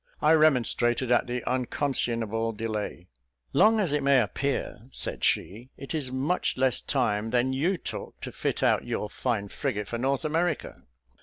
I remonstrated at the unconscionable delay. "Long as it may appear," she said, "it is much less time than you took to fit out your fine frigate for North America."